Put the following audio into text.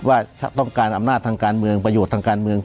ถ้าหากว่าใครคิดว่าถ้าต้องการอำนาจทางการเมืองประโยชน์ทางการเมือง